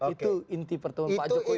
itu inti pertemuan pak jokowi dengan pak mada